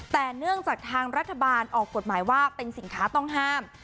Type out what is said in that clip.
แต่เนื่องจากทางรัฐบาลออกกฎหมายว่าเป็นสินค้าต้องห้าม